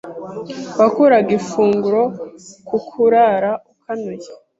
wakuraga ifunguro ku kurara ukanuye